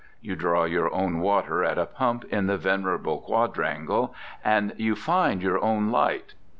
You draw your own water at a pump in the venerable quadrangle, and you "find" your own light.